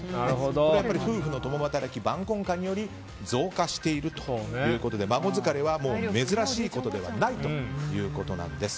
これは夫婦の共働き晩婚化により増加しているということで孫疲れは珍しいことではないということなんです。